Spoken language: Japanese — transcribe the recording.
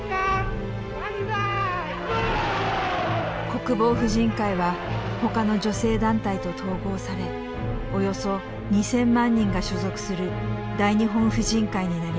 国防婦人会はほかの女性団体と統合されおよそ２，０００万人が所属する大日本婦人会になりました。